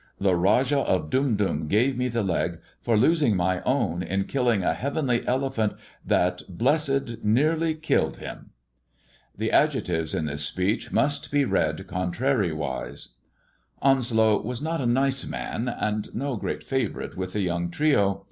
The Rajah of Dum Dum gave me the leg for losing my own in killing a heavenly elephant that blessed nearly killed him." The adjectives in this speech must be read contrariwise. Onslow was not a nice man, and no great favourite with the young trio.